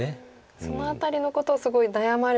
その辺りのことをすごい悩まれて。